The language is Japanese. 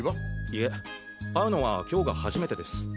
いえ会うのは今日が初めてです。